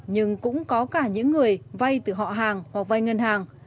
nhưng cũng có cả những người vay từ họ hàng hoặc vay ngân hàng